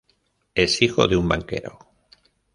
Es hijo de un banquero.